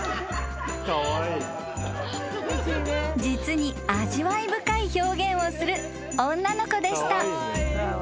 ［実に味わい深い表現をする女の子でした］